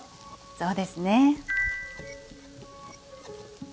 そうですね。